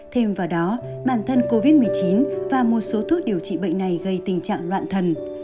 thêm vào đó bản thân covid một mươi chín và một số thuốc điều trị bệnh này gây tình trạng loạn thần